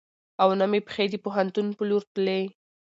او نه مې پښې د پوهنتون په لور تلې .